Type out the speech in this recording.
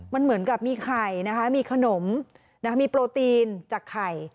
มันเหมือนกับมีไข่นะคะมีขนมมีโปรตีนจากไข่